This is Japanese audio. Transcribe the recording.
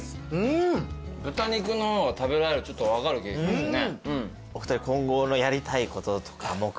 豚肉の方が食べられるちょっと分かる気がしますね。